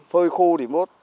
phơi khô thì mốt